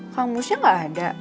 kang musnya gak ada